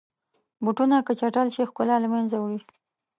بوټونه که چټل شي، ښکلا له منځه وړي.